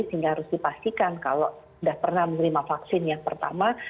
sehingga harus dipastikan kalau sudah pernah menerima vaksin yang pertama